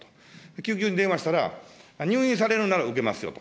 救急に電話したら、入院されるなら受けますよと。